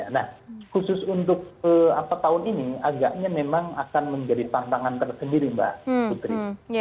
nah khusus untuk tahun ini agaknya memang akan menjadi tantangan tersendiri mbak putri